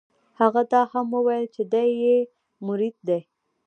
هغه دا هم وویل چې دی یې مرید دی.